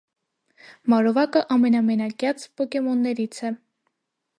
Մարովակը ամենամենակյաց պոկեմոններից է։